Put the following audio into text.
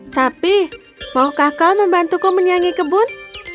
sapi maukah kau membantuku menyanyi kebun